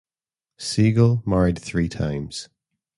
Siegel married three times.